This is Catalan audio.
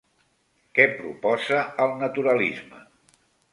Què proposa el naturalisme?